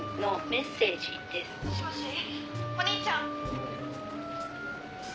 「もしもし？お兄ちゃん」